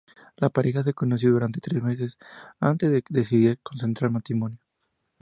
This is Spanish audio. La pareja se conoció durante tres meses, antes de decidir contraer matrimonio.